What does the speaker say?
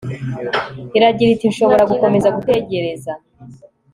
iragira iti nshobora gukomeza gutegereza